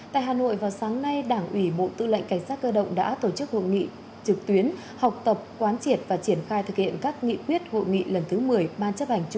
tại hà nội vào sáng nay đảng ủy bộ tự lệnh cảnh sát cơ động đã tổ chức hội nghị trực tuyến học tập quán triển và triển khai thực hiện các nghị quyết hội nghị lần thứ một mươi